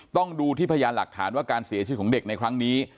ต้องดูที่พยานหลักฐานว่าการเสียชีวิตของเด็กในครั้งนี้